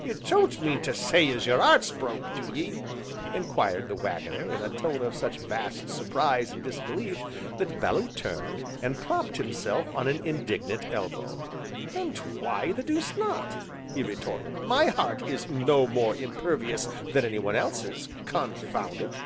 "You don't mean to say as your 'eart's broke, do ye?" enquired the Waggoner in a tone of such vast surprise and disbelief, that Bellew turned, and propped himself on an indignant elbow. "And why the deuce not?" he retorted, "my heart is no more impervious than anyone else's, confound it!"